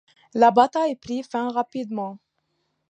La bataille prit fin rapidement.